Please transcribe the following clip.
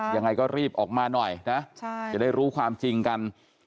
ยังไงก็รีบออกมาหน่อยนะจะได้รู้ความจริงกัน